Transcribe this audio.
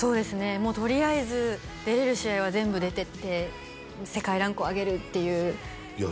もうとりあえず出れる試合は全部出てって世界ランクを上げるっていういや